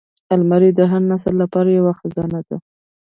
الماري د هر نسل لپاره یوه خزانه ده